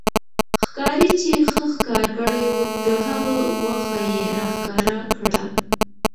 ښکارې چې څه ښکار کړي وو، د هغه غوښه يې را ښکاره کړه